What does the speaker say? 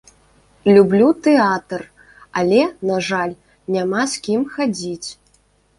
Люблю тэатр, але, на жаль, няма з кім хадзіць.